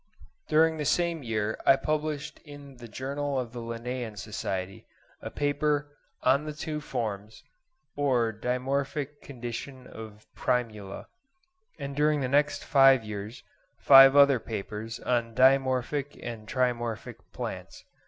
During the same year I published in the 'Journal of the Linnean Society' a paper "On the Two Forms, or Dimorphic Condition of Primula," and during the next five years, five other papers on dimorphic and trimorphic plants.